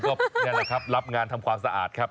ก็นี่แหละครับรับงานทำความสะอาดครับ